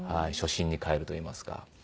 初心に帰るといいますか。